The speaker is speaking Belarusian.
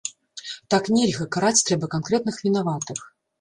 Так нельга, караць трэба канкрэтных вінаватых.